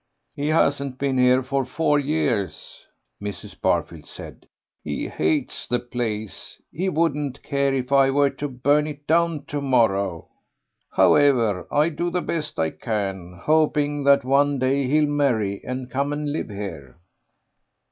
"He hasn't been here for four years," Mrs. Barfield said; "he hates the place; he wouldn't care if I were to burn it down to morrow.... However, I do the best I can, hoping that one day he'll marry and come and live here."